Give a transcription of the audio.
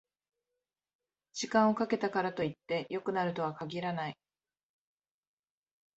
時間をかけたからといって良くなるとは限らない